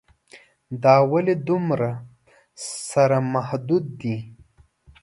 دا ولې دومره سره محدود دي.